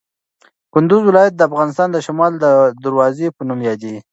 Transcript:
کندوز ولایت د افغانستان د شمال د دروازې په نوم یادیږي.